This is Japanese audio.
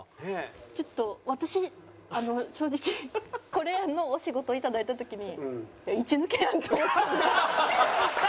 ちょっと私正直これのお仕事いただいた時にイチ抜けやんって思ってた。